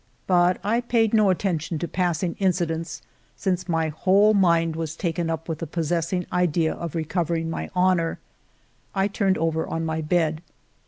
But I paid no attention to passing incidents, since my whole mind was taken up with the possessing idea of recovering my honor. I turned over on my bed.